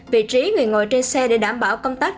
vị trí người ngồi trên xe để đảm bảo công tác